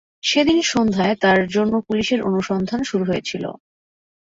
সেদিন সন্ধ্যায় তার জন্য পুলিশের অনুসন্ধান শুরু হয়েছিল।